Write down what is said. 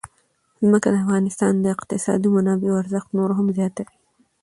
ځمکه د افغانستان د اقتصادي منابعو ارزښت نور هم زیاتوي.